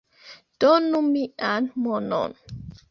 Donu mian monon